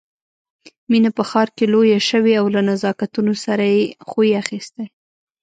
مينه په ښار کې لويه شوې او له نزاکتونو سره يې خوی اخيستی